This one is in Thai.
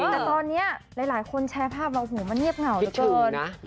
แต่ตอนนี้หลายคนแชร์ภาพเราหูมันเงียบเหงาเหลือเกิน